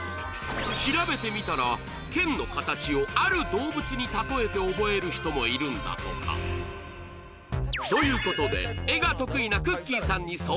調べてみたら県の形をある動物に例えて覚える人もいるんだとかということで絵が得意なくっきー！